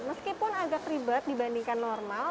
meskipun agak ribet dibandingkan normal